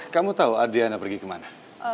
kamu tahu adriana pergi kemana